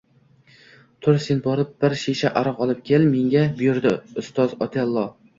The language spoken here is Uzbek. Tur sen borib bir shisha aroq olib kel, menga buyurdi ustoz Otello